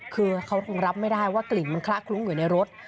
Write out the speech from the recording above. คือเขาคงรับไม่ได้ว่ากลิ่นมันคละคลุ้งอยู่ในรถ